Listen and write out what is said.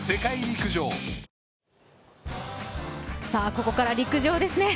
ここからは陸上ですね。